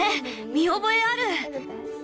見覚えある！